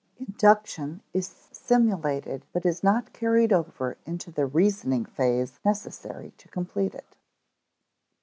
Induction is stimulated but is not carried over into the reasoning phase necessary to complete it.